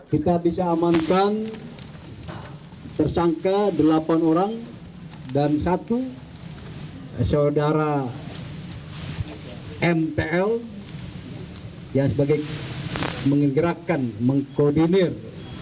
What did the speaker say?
kita bisa amankan tersangka delapan orang dan satu saudara mpl yang sebagai menggerakkan mengkoordinir